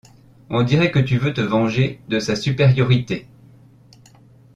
On dirait que tu veux te venger de sa supériorité.